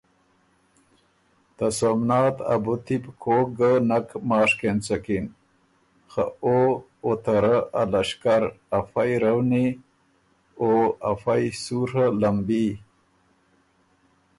ته سومنات ا بُتی بُو کوک ګۀ نک ماشک اېنڅکِن، خه او او ته رۀ ا لشکر افئ رؤنی او افئ سُوڒه لمبي